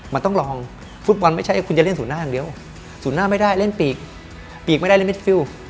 มันต้องลองฟุตบอลไม่ใช่คุณจะเล่นศูนย์หน้าอย่างเดียวศูนย์หน้าไม่ได้เล่นปีกปีกไม่ได้เล่นเด็ดฟิล